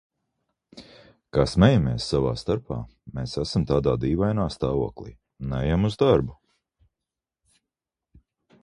Kā smejamies savā starpā – mēs esam tādā dīvainā stāvoklī, neejam uz darbu.